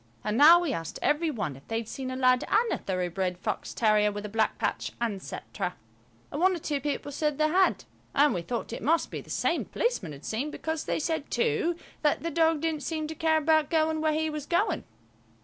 And now we asked every one if they'd seen a lad and a thoroughbred fox terrier with a black patch, and cetera. And one or two people said they had, and we thought it must be the same the policeman had seen, because they said, too, that the dog didn't seem to care about going where he was going.